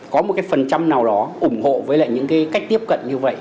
có một cái phần trăm nào đó ủng hộ với lại những cái cách tiếp cận như vậy